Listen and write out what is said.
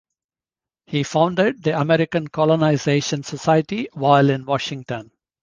He founded the American Colonization Society while in Washington.